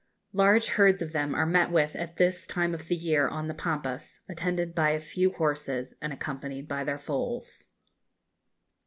Large herds of them are met with at this time of the year on the Pampas, attended by a few horses, and accompanied by their foals.